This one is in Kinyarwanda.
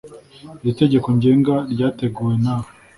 Iri tegeko ngenga ryateguwe nawe